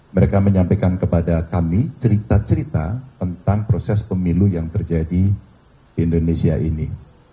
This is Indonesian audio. mereka menyampaikan kepada kami cerita cerita tentang proses pemilu yang terjadi di indonesia ini